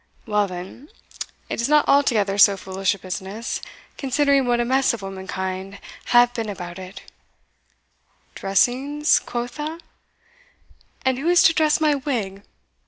"Well, then, it is not altogether so foolish a business, considering what a mess of womankind have been about it Dressings, quotha? and who is to dress my wig?